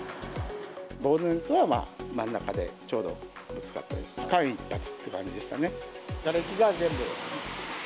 ボンネットは真ん中でちょうどぶつかって、間一髪って感じでしたね。